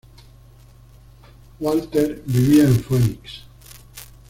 Walter vivía en Phoenix.